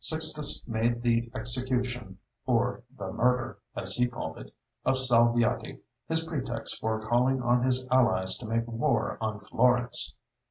Sixtus made the execution, or the "murder" as he called it, of Salviati, his pretext for calling on his allies to make war on Florence.